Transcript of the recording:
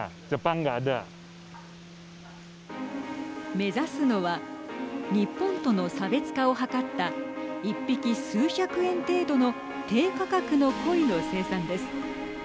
めざすのは日本との差別化をはかった１匹数百円程度の低価格の鯉の生産です。